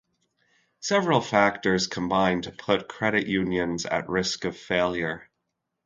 Several factors combine to put credit unions at risk of failure.